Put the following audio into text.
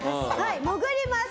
潜ります。